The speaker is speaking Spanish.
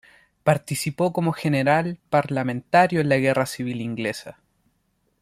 Participó como general parlamentario en la Guerra Civil Inglesa.